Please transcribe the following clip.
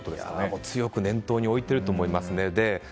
強く念頭に置いていると思います。